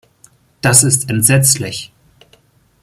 Das ist entsetzlich.